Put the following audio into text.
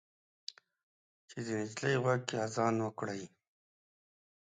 چې د نجلۍ غوږ کې اذان وکړئ